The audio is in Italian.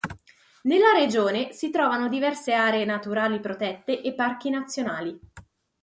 Nella regione si trovano diverse aree naturali protette e parchi nazionali.